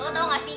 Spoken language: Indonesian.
lo tau gak sih